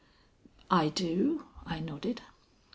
"I do," I nodded.